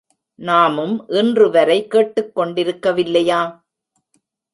நாமும் இன்றுவரை கேட்டுக்கொண்டிருக்க வில்லையா?